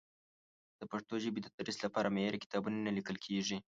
د پښتو ژبې د تدریس لپاره معیاري کتابونه نه لیکل کېږي.